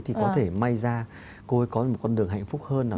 thì có thể may ra cô ấy có một con đường hạnh phúc hơn